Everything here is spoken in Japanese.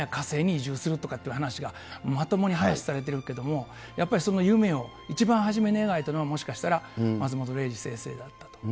今や火星に移住するという話がまともに話されているけれども、やっぱりその夢を一番初めに描いたのは、もしかしたら松本零士先生だったかも。